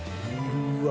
うわ。